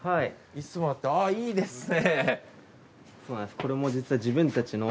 椅子もあってああいいですね。